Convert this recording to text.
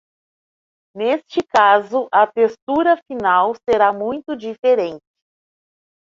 Neste caso, a textura final será muito diferente.